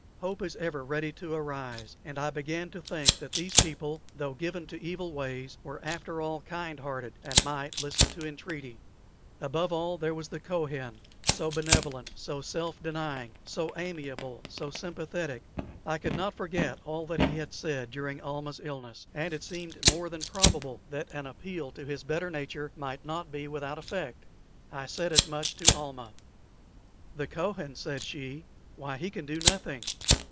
Hope is ever ready to arise; and I began to think that these people, though given to evil ways, were after all kind hearted, and might listen to entreaty. Above all, there was the Kohen, so benevolent, so self denying, so amiable, so sympathetic. I could not forget all that he had said during Almah's illness, and it seemed more than probable that an appeal to his better nature might not be without effect. I said as much to Almah. "The Kohen," said she; "why, he can do nothing."